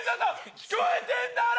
聞こえてんだろ！